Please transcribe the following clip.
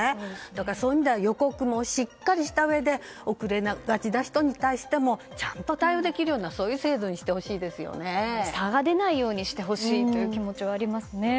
だから、そういう意味では予告もしっかりしたうえで遅れがちな人に対してもちゃんと対応できるような差が出ないようにしてほしいという気持ちはありますね。